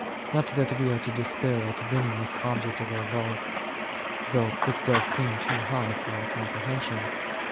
Not that we are to de spair of winning this object of our love, though it does seem too high for our comprehension.